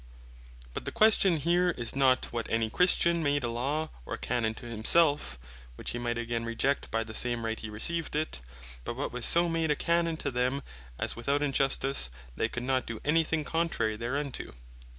But the question here, is not what any Christian made a Law, or Canon to himself, (which he might again reject, by the same right he received it;) but what was so made a Canon to them, as without injustice they could not doe any thing contrary thereunto.